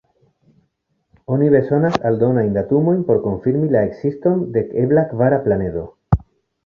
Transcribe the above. Oni bezonas aldonajn datumojn por konfirmi la ekziston de ebla kvara planedo.